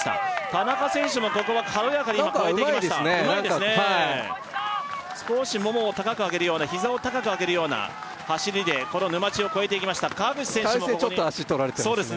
田中選手もここは軽やかに今越えていきました何かうまいですねうまいですね少しももを高く上げるようなひざを高く上げるような走りでこの沼地を越えていきました川口選手ちょっと足取られてますね